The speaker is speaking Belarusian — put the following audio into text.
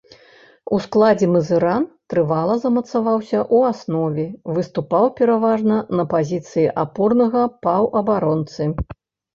У складзе мазыран трывала замацаваўся ў аснове, выступаў пераважна на пазіцыі апорнага паўабаронцы.